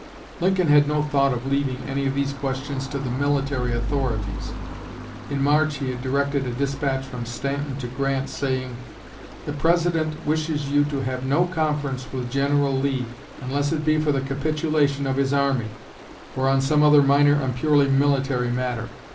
Lincoln had no thought of leaving any of these questions to the military authorities. In March he had directed a despatch from Stanton to Grant, saying: "The President wishes you to have no conference with General Lee, unless it be for the capitulation of his army, or on some other minor and purely military matter.